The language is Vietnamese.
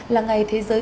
là ngày thế giới